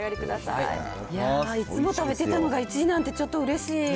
いやー、いつも食べてたのが１位なんてちょっとうれしい。